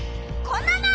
こんなの！